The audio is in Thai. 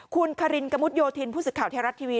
คุณคารินกระมุดโยธินผู้สื่อข่าวไทยรัฐทีวี